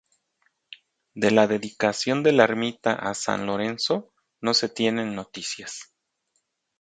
De la dedicación de la ermita a san Lorenzo no se tienen noticias.